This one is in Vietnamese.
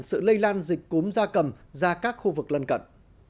sự lây lan dịch cúm da cầm ra các khu vực lân cận